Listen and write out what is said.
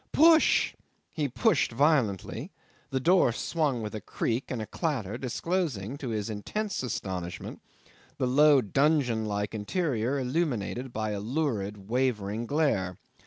Push!" He pushed violently; the door swung with a creak and a clatter, disclosing to his intense astonishment the low dungeon like interior illuminated by a lurid, wavering glare.